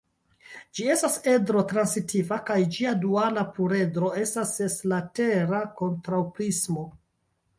Ĝi estas edro-transitiva kaj ĝia duala pluredro estas seslatera kontraŭprismo.